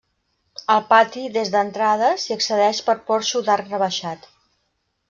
Al pati, des d'entrada, s'hi accedeix per porxo d'arc rebaixat.